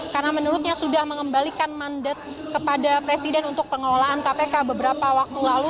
karena menurutnya sudah mengembalikan mandat kepada presiden untuk pengelolaan kpk beberapa waktu lalu